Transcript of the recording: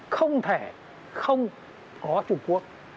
không thể không có trung quốc